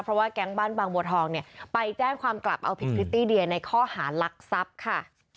เพราะว่าแก๊งบ้านบางบัวทองเนี่ยไปแจ้งความกลับเอาผิดพริตตี้เดียในข้อหารักทรัพย์ค่ะ